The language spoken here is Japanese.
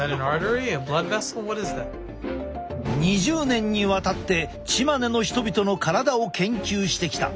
２０年にわたってチマネの人々の体を研究してきた。